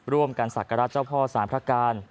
ร่วมกันศักราชเจ้าพ่อสามพระกาล